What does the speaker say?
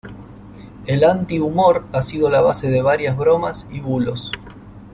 El anti-humor ha sido la base de varias bromas y bulos.